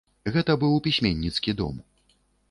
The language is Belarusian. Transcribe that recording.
Гэта быў пісьменніцкі дом.